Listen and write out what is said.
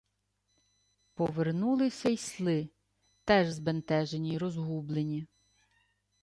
Повернулися й сли, теж збентежені й розгублені: